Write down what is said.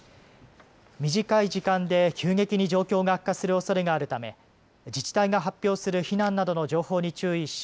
短い時間で急激に状況が悪化するおそれがあるため自治体が発表する避難などの情報に注意し